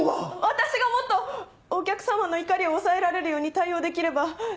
私がもっとお客様の怒りを抑えられるように対応できれば。